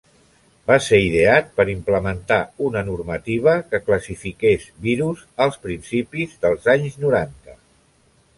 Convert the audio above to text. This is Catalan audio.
Va ser ideat per implementar una normativa que classifiqués virus als principis dels anys noranta.